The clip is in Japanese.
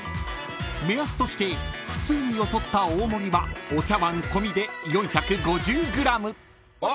［目安として普通によそった大盛りはお茶わん込みで４５０ｇ］